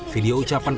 video ucapan rokigerung